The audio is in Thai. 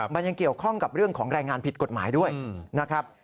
มันยังเกี่ยวข้องกับเรื่องของแรงงานผิดกฎหมายด้วยนะครับ